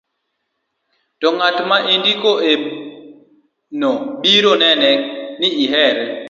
to ng'at ma indiko ne biro nene ni ihere